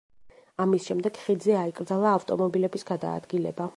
ამის შემდეგ ხიდზე აიკრძალა ავტომობილების გადაადგილება.